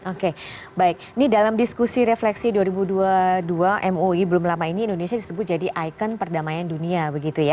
oke baik ini dalam diskusi refleksi dua ribu dua puluh dua moi belum lama ini indonesia disebut jadi ikon perdamaian dunia begitu ya